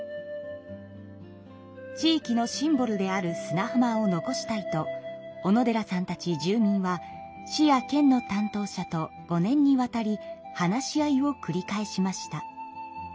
地域のシンボルである砂浜を残したいと小野寺さんたち住民は市や県の担当者と５年にわたり話し合いをくり返しました。